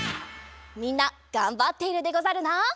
みんながんばっているでござるな！